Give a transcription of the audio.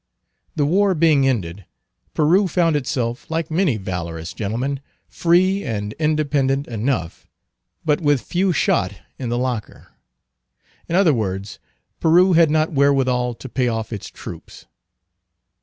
The war being ended, Peru found itself like many valorous gentlemen, free and independent enough, but with few shot in the locker. In other words, Peru had not wherewithal to pay off its troops.